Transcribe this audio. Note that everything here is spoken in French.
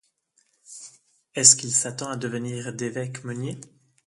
Est-ce qu'il s'attend à devenir d'évêque meunier?